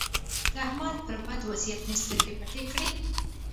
د احمد پر بد وضيعت مې سترګې پټې کړې.